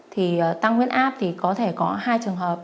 thì tăng huyết áp thì có thể có hai trường hợp